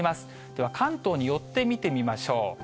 では関東に寄ってみてみましょう。